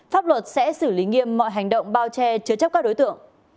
pháp luật sẽ xử lý nghiêm mọi hành động bao che chứa chấp các đối tượng